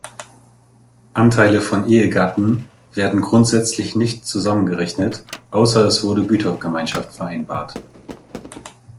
Anteile von Ehegatten werden grundsätzlich nicht zusammengerechnet, außer es wurde Gütergemeinschaft vereinbart.